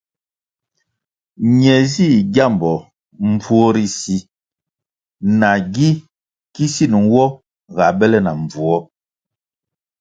Ne zih gyambo mbvuo ri si na gi kisin nwo ga bele na mbvuo.